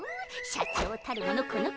社長たるもの